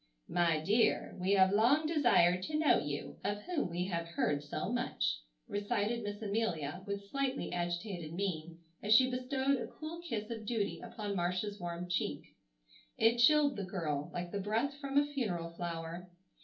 "My dear, we have long desired to know you, of whom we have heard so much," recited Miss Amelia, with slightly agitated mien, as she bestowed a cool kiss of duty upon Marcia's warm cheek. It chilled the girl, like the breath from a funeral flower.